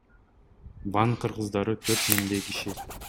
Ван кыргыздары төрт миңдей киши.